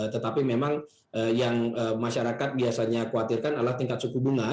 tetapi memang yang masyarakat biasanya khawatirkan adalah tingkat suku bunga